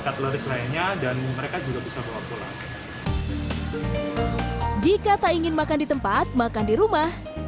kategoris lainnya dan mereka juga bisa bawa pulang jika tak ingin makan di tempat makan di rumah